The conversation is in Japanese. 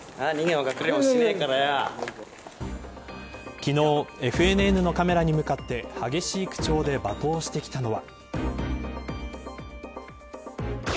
昨日ＦＮＮのカメラに向かって激しい口調で罵倒してきたのは。